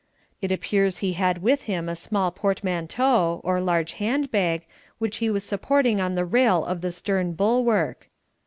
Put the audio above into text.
It appears that he had with him a small portmanteau, or large hand bag, which he was supporting on the rail of the stern bulwark.